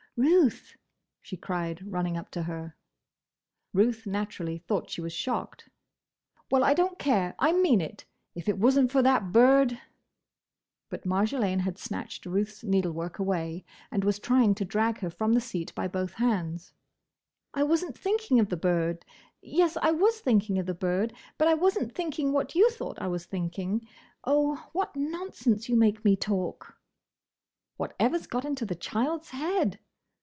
"Ruth!" she cried, running up to her. Ruth naturally thought she was shocked. "Well, I don't care! I mean it. If it was n't for that bird—" But Marjolaine had snatched Ruth's needlework away and was trying to drag her from the seat by both hands. "I was n't thinking of the bird! Yes, I was thinking of the bird, but I was n't thinking what you thought I was thinking. Oh! what nonsense you make me talk!" "Whatever's got into the child's head?"